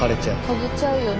枯れちゃうよね。